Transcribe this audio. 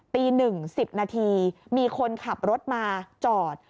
ตี๑๐นาทีมีคนขับรถมาจอด